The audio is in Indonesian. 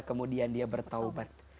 kemudian dia bertobat